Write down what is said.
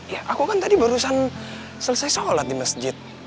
ya aku kan tadi barusan selesai sholat di masjid